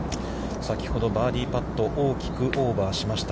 先ほどバーディーパットを大きくオーバーしました。